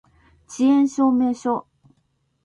遅延証明書